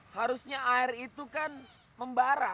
harusnya air itu kan membara